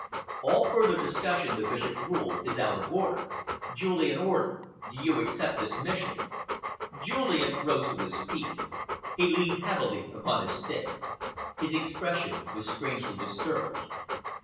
"All further discussion," the Bishop ruled, "is out of order. Julian Orden, do you accept this mission?" Julian rose to his feet. He leaned heavily upon his stick. His expression was strangely disturbed.